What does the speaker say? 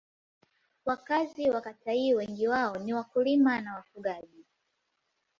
Wakazi wa kata hii wengi wao ni wakulima na wafugaji.